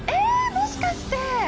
もしかして！